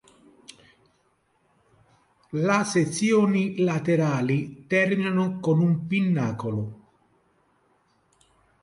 La sezioni laterali terminano con un pinnacolo.